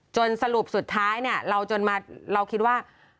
สรุปสุดท้ายเนี่ยเราจนมาเราคิดว่า